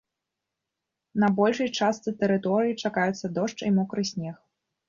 На большай частцы тэрыторыі чакаюцца дождж і мокры снег.